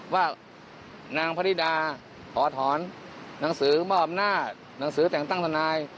ว่านางพนิดาขอถอนหนังสือมอบอำนาจหนังสือแต่งตั้งทนาย